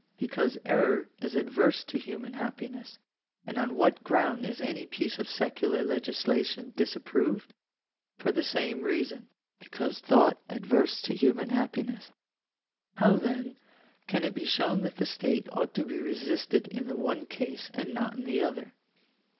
Because error is adverse to human happiness. And on what ground is any piece of secular legislation disapproved ? For the same reason — because thought adverse to human happiness. How then can it be shown that the state ought to be resisted in the one case and not in the other